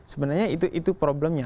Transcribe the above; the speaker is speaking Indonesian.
sebenarnya itu problemnya